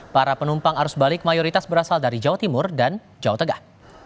para penumpang arus balik mayoritas berasal dari jawa timur dan jawa tengah